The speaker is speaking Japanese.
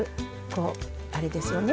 こうあれですよね